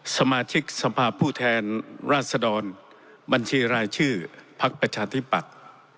สมาชิกสภาพผู้แทนราชดรบัญชีรายชื่อพักประชาธิปัตย์